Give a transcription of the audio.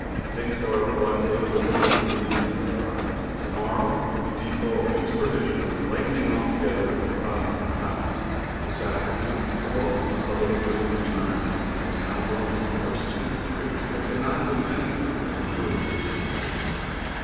Things, however, luckily will not remain as they are. To morrow we depot a week's provision, lightening altogether about 100 lbs. This afternoon the welcome southerly wind returned and is now blowing force 2 to 3. I cannot but think it will improve the surface.